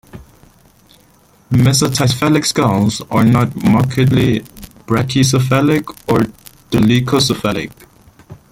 Mesaticephalic skulls are not markedly brachycephalic or dolichocephalic.